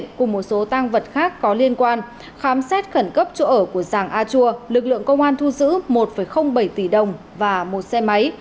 cùng một số tăng vật khác có liên quan khám xét khẩn cấp chỗ ở của giàng a chua lực lượng công an thu giữ một bảy tỷ đồng và một xe máy